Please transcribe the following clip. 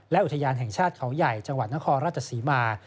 และอุทยานแห่งชาติเขาใหญ่จังหวัดนครราชศรีมา